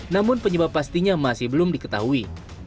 namun penyebab pastinya masih belum diketahui